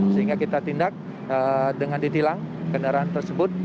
sehingga kita tindak dengan ditilang kendaraan tersebut